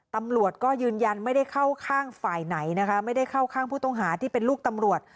ตำรวจก็ยืนยันไม่ได้เข้าข้างฝ่ายไหนนะคะไม่ได้เข้าข้างผู้ต้องหาที่เป็นลูกตำรวจ